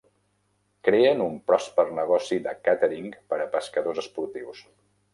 Creen un pròsper negoci de càtering per a pescadors esportius.